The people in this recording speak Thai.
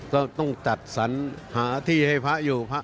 ต้องจัดสรรหาที่ให้พระอยู่พระ